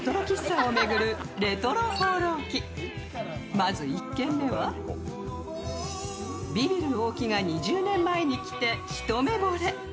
まず１軒目はビビる大木が２０年前に来てひとめぼれ。